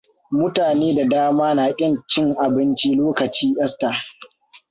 Mutane da dama na ƙin cin abinci lokaci Easter.